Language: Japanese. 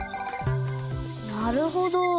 なるほど。